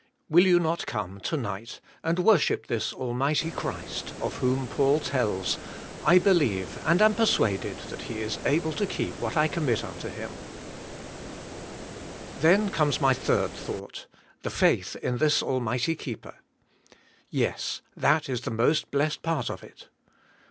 Will you not come, to night, and worship this Almighty Christ, of whom Paul tells, ' 'I believe and am persuaded that He is able to keep what I commit unto Him I Then comes my third thought, the faith in this almighty keeper. Yes, that is the most blessed part of it.